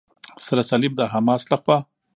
سره صلیب د حماس لخوا.